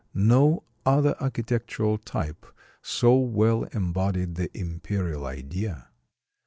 No other architectural type so well embodied the imperial idea.